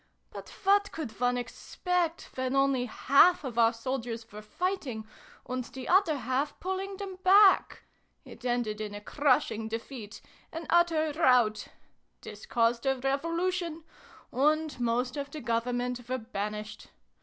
But what could one expect, when only half of our soldiers were fighting, and the other half pulling them back ? It ended in a crushing defeat an utter rout. This caused a Revolu tion ; and most of the Government were banished.